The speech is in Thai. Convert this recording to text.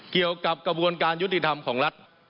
เกี่ยวกับกระบวนการยุติธรรมของรัฐ